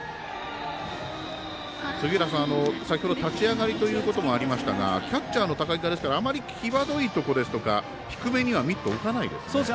杉浦さん、先ほど立ち上がりということもありましたがキャッチャーの高木からするとあまり際どいところとか低めにはミット打たないんですね。